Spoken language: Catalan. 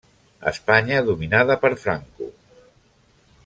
Espanya dominada per Franco.